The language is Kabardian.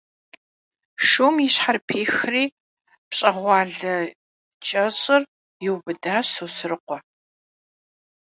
Şşum yi şher f'ixri, pş'eğuale ç'eş'ır yiubıdaş Sosrıkhue.